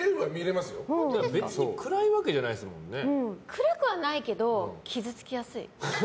暗くはないけど傷つきやすい。